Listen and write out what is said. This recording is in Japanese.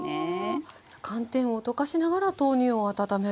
寒天を溶かしながら豆乳を温めると。